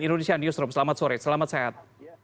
indonesia newsroom selamat sore selamat sehat